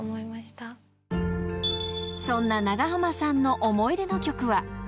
［そんな長濱さんの思い出の曲は］